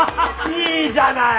いいじゃない！